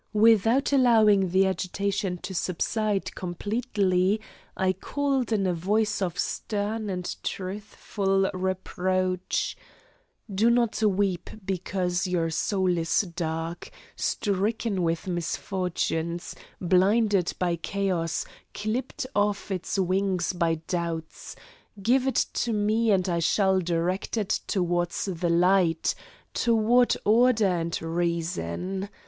Without allowing the agitation to subside completely, I called in a voice of stern and truthful reproach: "Do not weep because your soul is dark, stricken with misfortunes, blinded by chaos, clipped of its wings by doubts; give it to me and I shall direct it toward the light, toward order and reason.